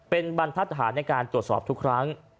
เป็นบรรทัศน์ในการตรวจสอบทุกครั้ง